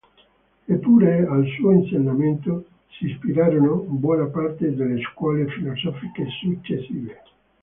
Eppure al suo insegnamento si ispirarono buona parte delle scuole filosofiche successive.